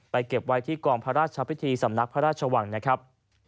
เก็บไว้ที่กองพระราชพิธีสำนักพระราชวังนะครับ